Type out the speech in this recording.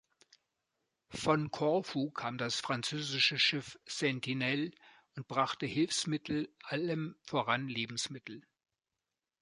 Von Korfu kam das französische Schiff "Sentinelle" und brachte Hilfsmittel, allem voran Lebensmittel.